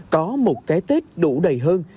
có một cái tết đủ đầy hơn